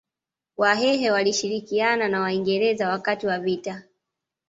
Wahehe walishirikiana na Waingereza wakati wa vita